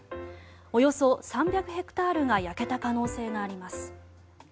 およそ３００ヘクタールが焼けた可能性があります。